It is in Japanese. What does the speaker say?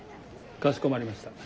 かしこまりました。